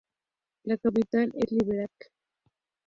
La capital es Liberec.